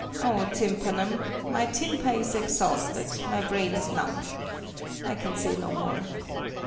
Oh, TYMPANUM! My tympa is exhausted: my brain is num! I can say no more.